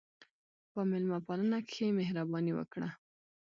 په میلمهپالنه کښېنه، مهرباني وکړه.